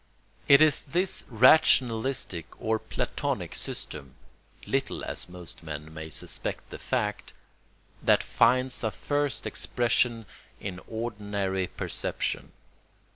It is this rationalistic or Platonic system (little as most men may suspect the fact) that finds a first expression in ordinary perception.